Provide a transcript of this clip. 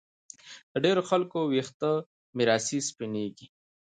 د ډېرو خلکو ویښته میراثي سپینېږي